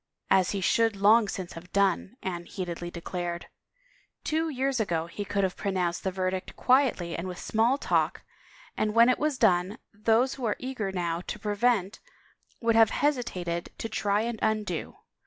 " As he should long since have done," Anne heatedly declared. " Two years ago he could have pronounced the verdict quietly and with small talk, and when it was done, those who are eager now to prevent would have hesitated to try and undo.